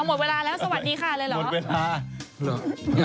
หมดเวลาแล้วสวัสดีค่ะเลยเหรอ